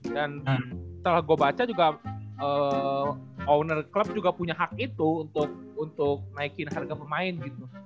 dan setelah gue baca juga owner club juga punya hak itu untuk naikin harga pemain gitu